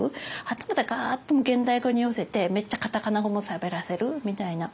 はたまたガッともう現代語に寄せてめっちゃカタカナ語もしゃべらせるみたいな。